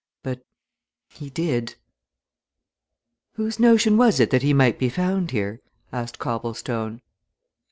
But he did!" "Whose notion was it that he might be found here?" asked Copplestone.